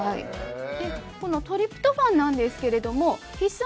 このトリプトファンなんですが必須